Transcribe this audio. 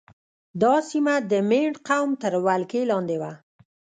دا سیمه د مینډ قوم تر ولکې لاندې وه.